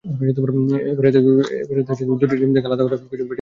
এবার এতে দুটি ডিম থেকে আলাদা করা কুসুম ফেটিয়ে দিয়ে দিন।